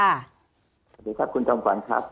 สวัสดีครับคุณจอมขวัญครับ